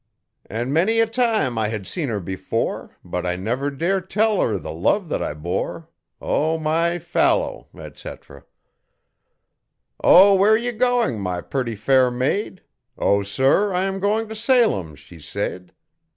An' many a time I had seen her before, But I never dare tell 'er the love thet I bore. O, my fallow, etc. 'Oh, where are you goin' my purty fair maid?' 'O, sir, I am goin' t' Salem,' she said.